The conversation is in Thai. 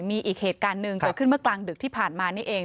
มีอีกเหตุการณ์หนึ่งเกิดขึ้นเมื่อกลางดึกที่ผ่านมานี่เอง